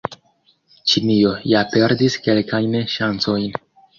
Ĉinio ja perdis kelkajn ŝancojn.